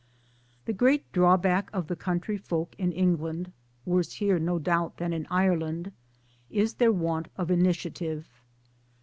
The great drawback of the country folk in England '(worse here no doubt than in Ireland) is their want of initiative.